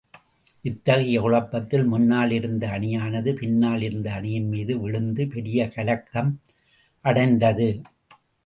இத்தகைய குழப்பத்தில், முன்னால் இருந்த அணியானது, பின்னால் இருந்த அணியின் மீது விழுந்து, பெரிய கலக்கம் அடைந்தது.